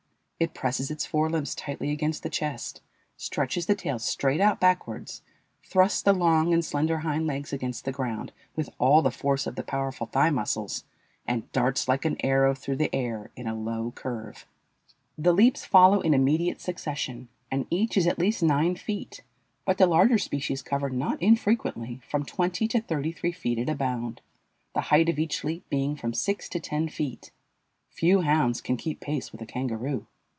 It presses its fore limbs tightly against the chest, stretches the tail straight out backwards, thrusts the long and slender hind legs against the ground with all the force of the powerful thigh muscles, and darts like an arrow through the air in a low curve. The leaps follow in immediate succession, and each is at least nine feet, but the larger species cover, not infrequently, from twenty to thirty three feet at a bound, the height of each leap being from six to ten feet. Few hounds can keep pace with a kangaroo.